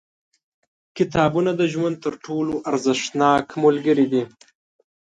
• کتابونه د ژوند تر ټولو ارزښتناک ملګري دي.